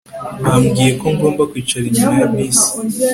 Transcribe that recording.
Bambwiye ko ngomba kwicara inyuma ya bisi